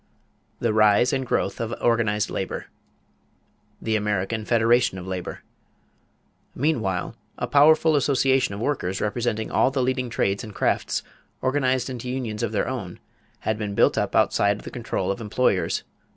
THE RISE AND GROWTH OF ORGANIZED LABOR =The American Federation of Labor.= Meanwhile a powerful association of workers representing all the leading trades and crafts, organized into unions of their own, had been built up outside the control of employers.